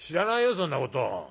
そんなこと。